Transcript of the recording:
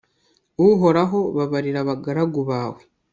uhoraho babarira abagaragu bawe